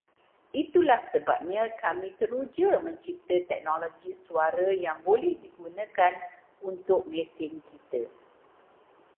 Itulah sebabnya kami teruja mencipta teknologi suara yang boleh digunakan untuk mesin kita